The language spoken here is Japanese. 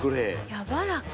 やわらか。